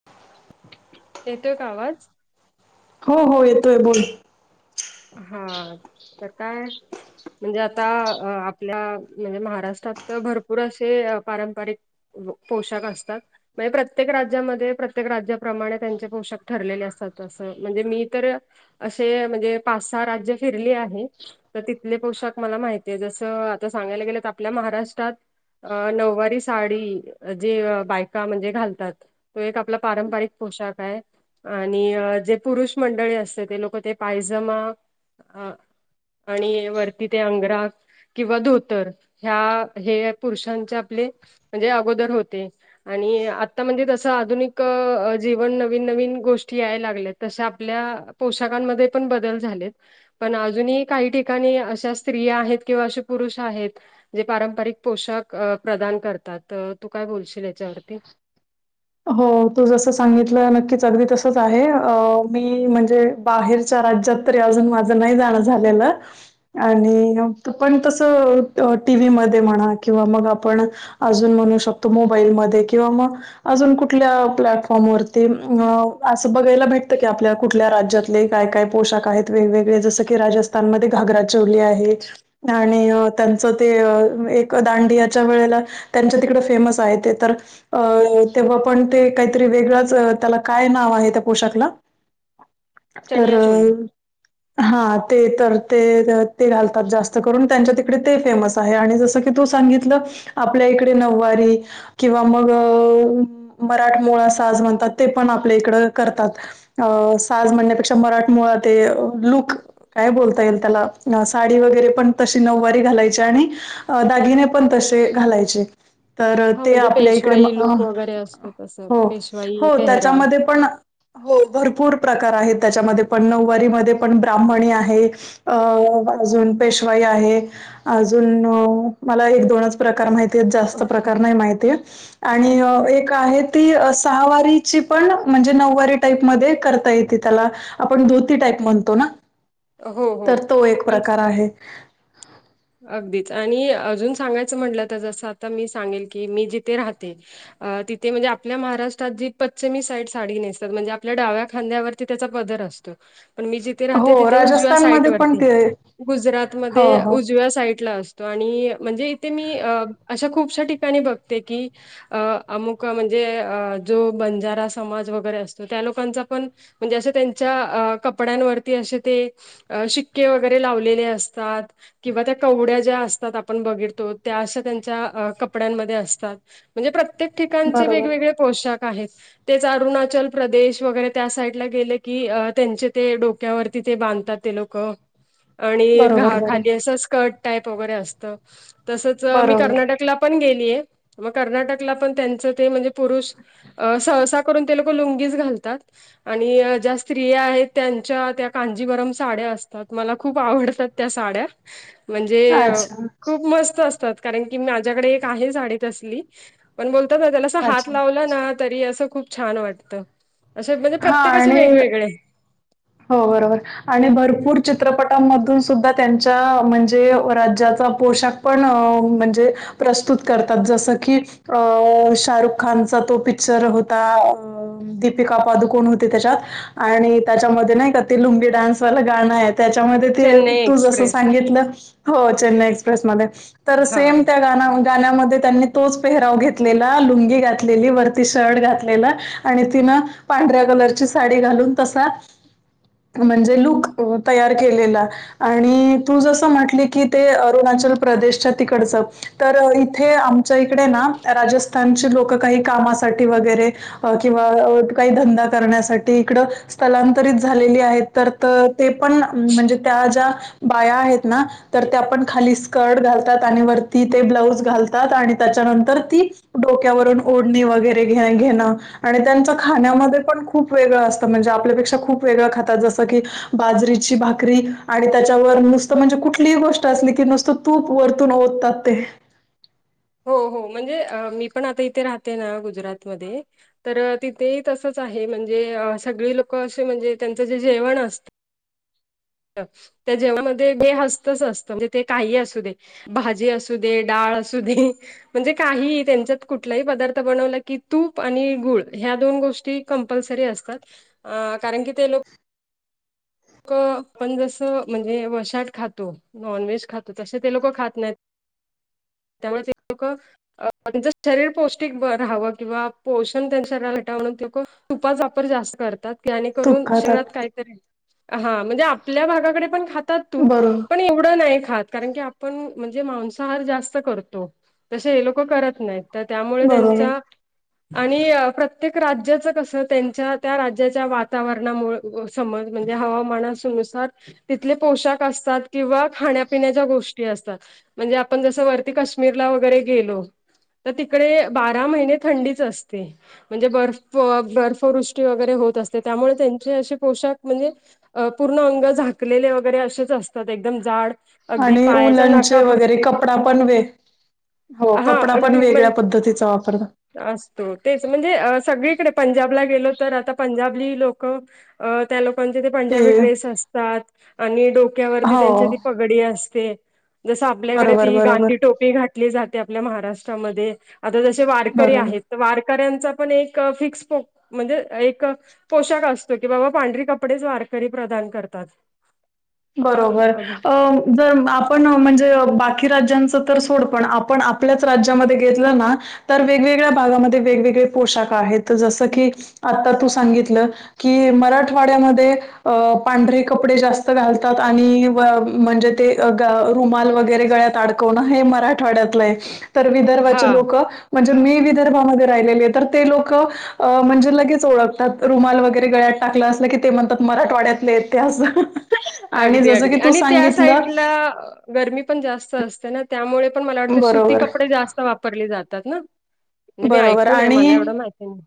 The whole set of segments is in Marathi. [inaudible] येतोय का आवाज? हो हो येतोय बोल. हा तर काय म्हणजे आता आपल्या म्हणजे महाराष्ट्रात तर भरपूर असे पारंपारिक पोशाख असतात. म्हणजे प्रत्येक राज्यामध्ये प्रत्येक राज्याप्रमाणे त्यांचे पोषक ठरलेले असतात असं म्हणजे मी तर असे म्हणजे पाच सहा राज्य फिरली आहे. तर तिथले पोशाख मला माहितीय जसं आता सांगायला गेलं तर आपल्या महाराष्ट्रात. अ नऊवारी साडी जे बायका म्हणजे घालतात. तो एक आपला पारंपारिक पोशाख आहे. आणि जे पुरुष मंडळी असते ते लोक ते पायजमा आणि वरती ते अंगराक. किंवा धोतर ह्या हे पुरुषांचे आपले म्हणजे अगोदर होते. आणि आता म्हणजे जसं आधुनिक जीवन नवीन नवीन गोष्टी याय लागल्यात जश्या आपल्या. पोशाकांमध्ये पण बदल झालेत. पण अजूनही काही ठिकाणी अशा स्त्रिया आहेत किंवा असे पुरुष आहेत. जे पारंपारिक पोषाख प्रदान करतात तू काय बोलशील याच्यावरती. हो तू जस सांगितलं नक्कीच अगदी तसच आहे मी म्हणजे बाहेरच्या राज्यात तरी अजून माझं नाही जाणं झालेलं. आणि पण तसं टी व्ही मध्ये म्हणा किंवा मग आपण अजून म्हणू शकतो मोबाईलमध्ये किंवा मग अजून कुठल्या प्लॅटफॉर्मवरती अ असं बघायला भेटतं की आपल्या कुठल्या राज्यात काय काय पोशाख आहेत वेगवेगळे जस की राजस्थान मध्ये घागरा चोली आहे. आणि त्यांचं ते एक दांडियाच्या वेळेला त्यांच्या तिकड फेमस आहे ते तर अ तेव्हा पण ते काहीतरी वेगळंच त्याला काय नाव आहे त्या पोशाखला? तर चनिया चोली [unintelligible] हा ते तर ते ते घालतात जास्त करून त्यांच्या तिकडे ते फेमस आहे आणि जस त सांगितलं आपल्या इकडे नवारी किंवा मग अ, मराठमोळा असा साज म्हणतात ते पण आपल्या इकडं करतात. अ साज म्हणण्यापेक्षा मराठमोळा ते लूक. काय बोलता येईल त्याला साडी वगैरे पण तशी नऊवारी घालायची आणि दागिने पण तसे घालायचे तर हा ते म्हणजे आपल्या इकडे पेशवाई लूक वगैरे असतो तसं हो पेशवाई हो पेहराव त्याच्यामध्ये पण. हो भरपूर प्रकार आहेत त्याच्यामध्ये पण नऊवारीमध्ये पण ब्राह्मणी आहे. अ अजून पेशवाई आहे अजून मला एक दोनच प्रकार माहिती जास्त प्रकार नाही माहितीय आणि एक आहे ती सहावारीची पण म्हणजे नऊवारी टाईप मध्ये करता येते त्याला. आपण धोती टाईप म्हणतो ना हो हो तर तो एक म्हणजे प्रकार आहे. अगदीच आणि अजून सांगायचं म्हटलं तर जसं आता मी सांगेल की मी जिथे राहते. तिथे म्हणजे आपल्या महाराष्ट्रात जी पश्चमी साईड साडी नेसतात म्हणजे आपल्या डाव्या खांद्यावर त्याचा पदर असतो पण मी जे थे राहते हो तिथे उजव्या साईट राजस्थानमध्ये पण वरती ते गुजरात हो मध्ये हो उजव्या साईटला असतो आणि म्हणजे इथे मी अशा खूपश्या ठिकाणी बघते की अ अमुक म्हणजे जो बंजारा समाज वगैरे असतो त्या लोकांचा पण म्हणजे असं त्यांच्या अ कपड्यांवरती असे ते अ शिक्के वगैरे लावलेले असतात, किंवा त्या कवड्या ज्या असतात आपण बघिततो त्या अशा त्यांच्या कपड्यांमध्ये असतात. म्हणजे प्रत्येक ठिकाणचे बरोबर वेगवेगळे पोशाख आहेत. तेच अरुणाचल प्रदेश वगैरे त्या साईडला गेले की त्यांचे ते डोक्यावरती ते बांधतात. ते लोक आणि बरोबर घा बरोबर खाली अस स्कर्ट टाईप वगैरे असत. तसच मी बरोबर कर्नाटकला पण गेली आहे मग कर्नाटकला पण त्यांचं ते म्हणजे पुरुष अ सहसा करून ते लोक लुंगीच घालतात. आणि ज्या स्त्रिया आहेत त्यांच्या त्या कांजीवरम साड्या असतात मला खूप आवडतात. त्या साड्या. म्हणजे अच्छा खूप मस्त असतात कारण की माझ्याकडे एक आहे साडी तसली. पण बोलतात ना त्याला अस हात अच्छा लावला ना तरी असं खूप छान वाटत. असं म्हणजे हा प्रत्येकाचे आणि वेगवेगळे. हो बरोबर. आणि भरपूर चित्रपटांमधून सुद्धा त्यांच्या म्हणजे राज्याचा पोशाख पण म्हणजे प्रस्तुत करतात जसं की अ शाहरुख खानचा तो पिक्चर होता अ दीपिका पादुकोण होती त्याच्यात. आणि त्याच्यामध्ये नाही का ती लुंगी डान्सवालं गाणं आहेत. त्याच्यामध्ये ते चेन्नई तू जसं एक्सप्रेस सांगितलं हो चेन्नई एक्सप्रेसमध्ये. तर हा. सेम त्या गाना गाण्यामध्ये त्यांनी तोच पेहराव घेतलेला लुंगी घातलेली वरती शर्ट घातलेला आणि तिनं पांढऱ्या कलरची साडी घालून तसा म्हणजे लूक तयार केलेला आणि तू जसं म्हटली की ते अरुणाचल प्रदेशच्या तिकडचं तर इथे आमच्या इकडे ना राजस्थानची लोक काही काम वगैरे काही धंदा वगैरे करण्यासाठी स्थलांतरित झाली आहेत तर ते पण म्हणजे त्या ज्या बाया आहेत ना तर ते आपण खाली स्कर्ट घालतात आणि वरती ते ब्लाऊज घालतात आणि त्याच्यानंतर ती डोक्यावरून ओढणी वगैरे घे घेणं आणि त्यांच खाण्यामध्ये पण खूप वेगळं असतं म्हणजे आपल्यापेक्षा खूप वेगळं खातात जसं की बाजरीची भाकरी आणि त्याच्यावर नुसतं म्हणजे कुठलीही गोष्ट असली की नुसतं तूप वरतून ओततात ते. हो हो म्हणजे मी पण आता इथे राहते ना गुजरातमध्ये तर तिथे तसंच आहे म्हणजे सगळी लोक असे म्हणजे त्यांचं जे जेवण असत. त्या जेवणामध्ये बे हस्तच असत म्हणजे ते काही असू दे. भाजी असू दे, डाळ असू दे, म्हणजे काही ही त्यांच्यात कुठला पदार्थ बनला की तूप आणि गुळ ह्या दोन गोष्टी कंपलसरी असतात कारण कीं तें लोक पण जसं म्हणजे वशाट खातो नॉनव्हेज खातो तसे ते लोक खात नाहीत. त्यामुळे ते लोक... म्ह नजे शरीर पौष्टिक राहावं किंवा पोषण त्यांच्या शरीराला भेटाव म्हणून तें खूप तुपाचा वापर जास्त करतात. आनी करून तूप खातात. शहरात काहीतरी हा म्हणजे आपल्या भागाकडे पण ख खातो तुप बरोबर पण एवढे नाही खात कारण की आपणम्हणजे मांसाहारी जास्त.. करतो तसे हे लोक करत नाही तर त्यामुळे बरोबर त्यांच्या आणि प्रत्येक राज्याचं कसं त्यांच्या त्या राज्याच्या वातावरणामुळे.... संबंध म्हणजे हवामानानुसार.. तिथंले पोशाख असतात किंवा खाण्यापिण्याच्या गोष्टी असतात म्हणजे आपण जस काश्मीरला वगैरे गेलो तर तिकडे बारा महिने थंडीच असते. म्हणजे बर्फ बर्फवृष्टी वगैरे होत असते त्यामुळे त्यांचे असे पोशाख म्हणजे.. अ पूर्ण अंग झाकलेले वगैरे असेच असतात एकदम जाड... अगदी आणि पायाच्या ऊलनचे नखापासून वगैरे कपडा पण वेग हो, हा कपडा पण अगदी म्हणजे वेगळ्या पद्धतीचा वापरत. असतो तेच म्हणजे सगळीकडे पंजाबला गेलो तर आता पंजाबली लोक... अ त्या लोकांचे ते पंजाबी ड्रेस असतात आणि डोक्यावरती हो त्यांच्या ती पग पगडी असते जसं आपल्याकडे बरोबर ती... बरोबर गांधी टोपी घातली जाते आपल्या महाराष्ट्रामध्ये आता जसे वारकरी बरोबर. आहेत. वारकऱ्यांचा पण एक फिक्स पो म्हणजे एक.. पोशाख असतो की बाबा पांढरी कपडेच वारकरी प्रदान करतात. बरोबर अ... जर आपण म्हणजे बाकी राज्यांचं तर सोड पण आपण आपल्याच राज्यामध्ये घेतलं ना.. तर वेगवेगळ्या भागामध्ये वेगवेगळे पोशाख आहेत जसं की... आता तू सांगितलं की मराठवाड्यामध्ये पांढरी कपडे जास्त.. घालतात आणि म्हणजे ते रुमाल वगैरे गळ्यात अडकवणं हे मरा ठवाड्यातलं आहे तर हा विदर्भाचे लोक म्हणजे मी विदर्भामध्ये राहिलेली आहे तर ते लोक.. अ म्हणजे लगेच ओळखतात रुमाल वगैरे गळ्यात टाकलं असलं की ते म्हणतात मराठवाड्यातले ते असं. आणि अगदी जसं की अगदी तू आणि त्या सांगितलं साईडला... गरमी पण जास्त असते ना त्यामुळे पण मला वाटते सुती बरोबर कपडे जास्त वापरली जातात ना म्हणजे मी बरोबर ऐकून आहे मला एवढं माहिती नाय.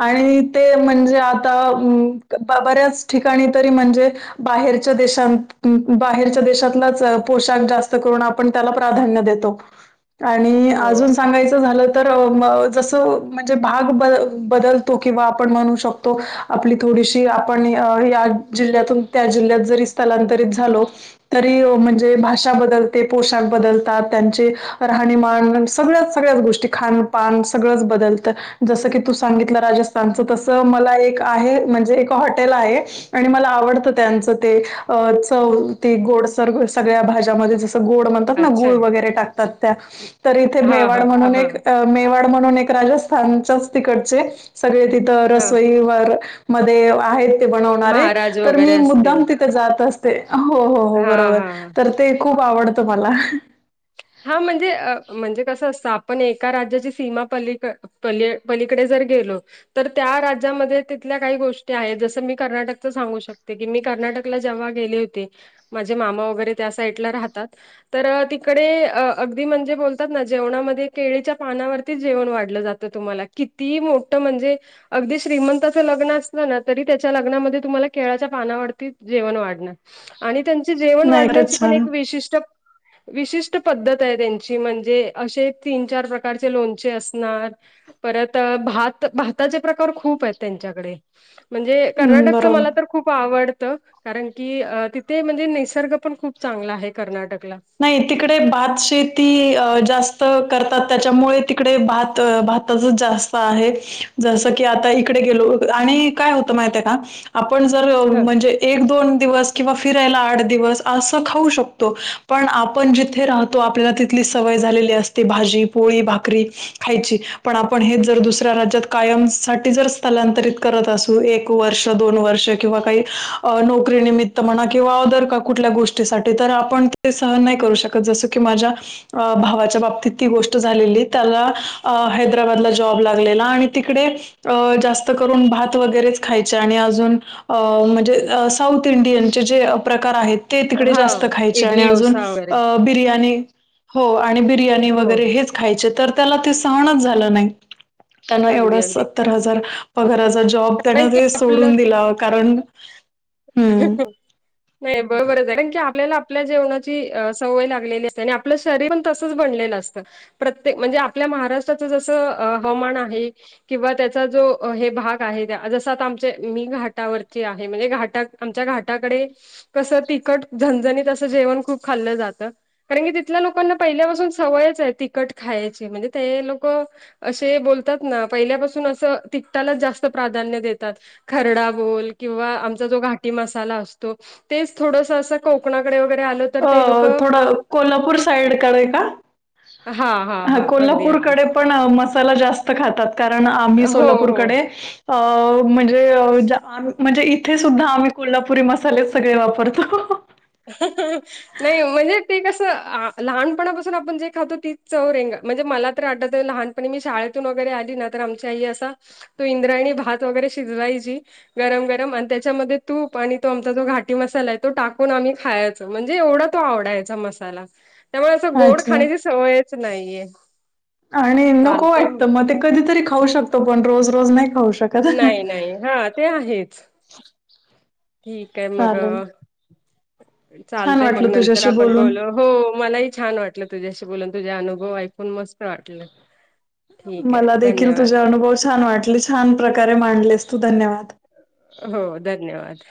णि ते म्हणजे आता बऱ्याच ठिकाणी तरी म्हणजे... बाहेरच्या देश बाहेरच्या देशातलाच पोशाख जास्त करून आपण त्याला प्राधान्य देतो. आणि हो अजून... झाल तर म जस म्हणजे भाग बदल बदलतो किंवा आपण म्हण शकतो... तो आपली थोडीशी आपण या जिल्ह्यातून त्या जिल्ह्यात जरी स्थलांतरित झालो.. तरी म्हणजे भाषा बदलते पोशाख बदलतात त्यांचे राहणीमान.. सगळ्याच, सगळ्याच गोष्टी खानपान सगळंच बदलत. जसं की तू सांगितलं राजस्थानच. तस मला एक आहे, म्हणजे एक हॉटेल आहे.... आणि मला आवडत त्यांचं ते अ चव ते गोडसर सगळ्या भाज्यामध्ये दिस गोड म्हणतात ना. अच्छा गूळ वैगरे टाकतात त्या तर हा मेवाड हा म्हणून हा एक अ..... मेवाड म्हणून एक राजस्थानच्याच तिकडचे सगळे तिथं हा रसोईवर.... मध्ये आहेत ते बनवणारे महाराज तर मी वगैरे असतील मुद्दाम त ते जात असते हो हो हो हा बरोबर हा तर ते खूप आवडतं मला. हा म्हणजे म्हणजे कसं असतं आपण एका राज्याची सीमा पलीकडे पली पलीकडे जर गेलो तर त्या राज्यामध्ये तिथल्या काही गोष्टी आहेत जसं मी कर्नाटकच सांगू शकते की मी कर्नाटक जेंव्हा गेली होते म्हणजे माझे मामा वगैरे त्या साईड राहातात. तर तिकडे.... अ अगदी म्हणजे बोलतात ना जेवणामध्ये केळीच्या पानावरतीच जेवण वाढलं जातं तुम्हाला. किती मोठं म्हणजे... अगदी श्रीमंताचं लग्न असलं ना तरी त्याच्या लग्नामध्ये तुम्हाला केळाच्या पानावरती जेवण वाढणार. आणि त्यांची जेवण नाही वाढण्याची खरंच पण छान एक विशिष्ट विशिष्ट उ पद्धत आहे त्यांची म्हणजे असे तीन चार प्रकारचे लोणचे असणार परत भात भाताचे प्रकार खूप आहेत त्यांच्याकडे म्हणजे हम्म कर्नाटकच बरोबर मला तर खूप आवडत कारण की तिथे म्हणजे निसर्ग पण खूप चांगला आहे कर्नाटकला नाही तिकडे भात शेती जास्त करतात त्याच्यामुळे तिकडे भात भात अजून जास्त आहे जस की आता इकडे गेलो आणि काय होतं माहिितय का आपण जर ह म्हणजे एक दोन दिवस किंवा फिरायला आठ दिवस असं खाऊ शकतो पण आपण जिथे राहतो आपल्याला तिथली सवय झालेली असते भाजी पोळी भाकरी खायची पण आपण हेच जर दुसऱ्या राज्यात कायम साठी जर स्थलांतरित करत असू एक वर्ष दोन वर्ष किंवा काही नोकरीनिमित्त म्हणा किंवा अदर कुठल्या गोष्टी त्यासाठी तर आपण ते सहन नाही करू शकत जसं की माझ्या भावाच्या बाबतीत ती गोष्ट झालेली त्याला अ हे हैदबाला जॉब लागलेला आणि तिकडे अ जास्त करून भात वगैरेच खायचे आणि अजून अ म्हणजे साऊथ इंडियनचे जे प्रकार आहेत ते तिकडे हा जास्त खायचे चणे इडली अजून डोसा वगैरे अ बिर्याणी हो आणि बिर्याणी हो वैगेरे हेच खाय तर त्याला ते सहणच झालं नाही त्यान अगदी एवढच अगदी सत्तर हजार पगाराचा जॉब त्याना कारण की ते सोडून दिला कारण हं ह नाही बरोबरच आहे कारण की आपल्याला आपल्या जेवणाची सवय लागलेली आणि आपल्या तरी पण तसच बनलेलं असत प्रत्येक म्हणजे आपल्या महाराष्ट्राचं जसं हवामान आहे किंवा त्याचा जो हे भाग आहे त्या जस आता आमच्या मी घाटावरती आहे म्हणजे घाट आमच्या घाटाकडे कसं तिखट झनझणीतसं जेवण खूप खाल्लं जातं कारण की तिथल्या लोकांना पहिल्यापासून सवयच आहे तिखट खायची म्हणजे ते लोको असे बोलतात ना पहिल्यापासून असं ति त्यालाच जास्त प्राधान्य देतात खरडा बोल किंवा जो घाटी मसाला असतो तेच थोडंच अस कोकणाकडे वैगेरे आलं तर अ ते लोकं थोडं कोल्हापूर साईड का? हा हा ह कोल्हापूरकडे पण मसाला जास्त खातात कारण आम्ही हो, हो. सोलापूरकडे अ म्हणजे म्हणजे इथे सुद्धा आम्ही कोल्हापुरी मसाले सगळे वापरतो ह हा नाही म्हणजे ते कसं लहानपणापासून आपण जे खातातो तीच चव रेंग म्हणजे मला तर आटत लहान मी शाळेतून वगैरे आली ना तर आमची आई असा तो इंद्रायणी भात वगैरे शिजवायची गरम गरम आणि त्याच्यामध्ये तूप आणि तो आमचा जो घाटी मसाला आहे तो टाक पण आम्ही खायच म्हणजे एवढा तो आवडायचा मसाला त्यामुळे असं गोड अच्छा खाण्याची सवयच नाहीये आणि नको वाटतं मग ते कधीतरी खाऊ शकतो पण रोज रोज नाही खाऊ शकत नाही नाही हा ते आहेच. क्षक्ष ठीक आहे मग छान चालतय मग वाटलं नंतर तुझ्याशी आपण बोलून. बोलो. हो मलाही छान वाटलं तुझ्याशी बोलून तुझे अनुभव ऐकून मस्त वाटलं. ठीक आहे मला देखील धन्यवाद तुझे अनुभव छान वाटले छान प्रकारे मांडलेस तू धन्यवाद. हो धन्यवाद.